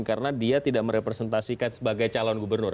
karena dia tidak merepresentasikan sebagai calon gubernur